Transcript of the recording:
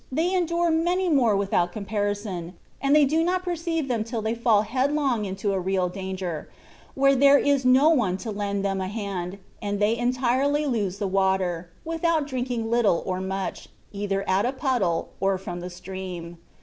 they endure many more tnthout comparison ; and they do not perceive them till they fall headlong into real danger, where there is no one to lend them a hand, and they entirely lose the water, without drinking little or much, either at a puddle or from the stream.